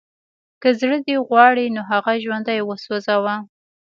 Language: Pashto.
که زړه دې غواړي نو هغه ژوندی وسوځوه